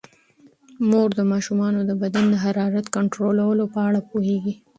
مور د ماشومانو د بدن د حرارت د کنټرول په اړه پوهیږي.